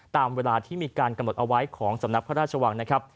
ตามเวลาที่มีการกำหนดเอาไว้ของสำนักพระราชวังนะครับ